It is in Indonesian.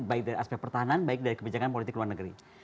baik dari aspek pertahanan baik dari kebijakan politik luar negeri